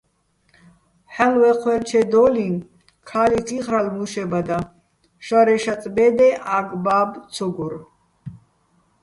ჰ̦ალო̆ ვაჴვაჲლჩედო́ლიჼ ქა́ლიქ იხრალო̆ მუშებადაჼ, შარე შაწ ბე́დე ა́გ-ბა́ბო̆ ცო გურ.